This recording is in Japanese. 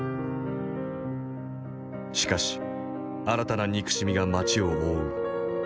しかし新たな憎しみが街を覆う。